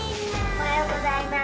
おはようございます。